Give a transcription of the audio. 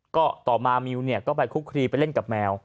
ก็ต่อมามิวเนี่ยก็ไปคุกคลีไปเล่นกับแมว